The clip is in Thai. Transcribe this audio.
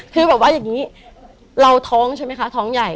คือแบบว่าอย่างนี้เราท้องใช่ไหมคะท้องใหญ่